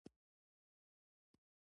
ډیپلوماسي د مذاکراتو له لارې ستونزې حلوي.